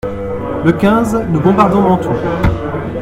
Le quinze, nous bombardons Mantoue.